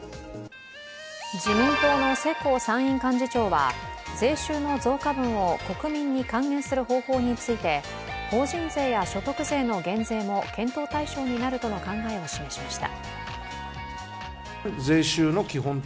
自民党の世耕参院幹事長は税収の増加分を国民に還元する方法について法人税や所得税の減税も検討対象になるとの考えを示しました。